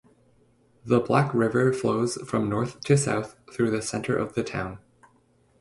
The Black River flows from north to south through the center of the town.